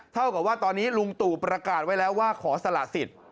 เท่ากับว่าตอนนี้ลุงตู่ประกาศไว้แล้วว่าขอสละสิทธิ์